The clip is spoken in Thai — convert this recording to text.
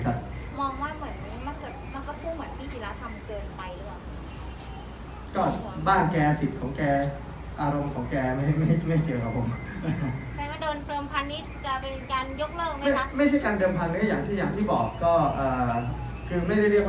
ก็บ้านแกสิทธิ์ของแกอารมณ์ของแกไม่เกี่ยวกับผม